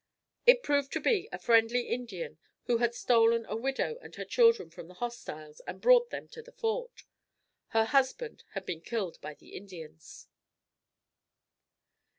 It proved to be a friendly Indian who had stolen a widow and her children from the hostiles and brought them to the fort. Her husband had been killed by the Indians.